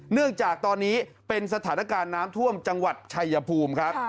เนื่องจากตอนนี้เป็นสถานการณ์น้ำท่วมจังหวัดชายภูมิครับ